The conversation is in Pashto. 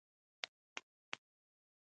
دوی د کلونو لپاره پر اسلامي نړۍ حکومت وکړ.